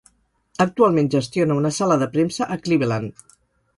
Actualment gestiona una sala de premsa a Cleveland.